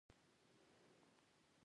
سهار د زړه نرموالی زیاتوي.